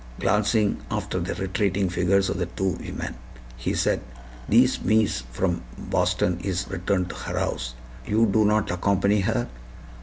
Glancing after the retreating figures of the two women, he said: "Thees mees from Boston is return to her house. You do not accompany her?